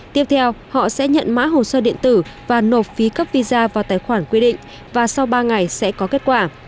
tiếp theo họ sẽ nhận mã hồ sơ điện tử và nộp phí cấp visa vào tài khoản quy định và sau ba ngày sẽ có kết quả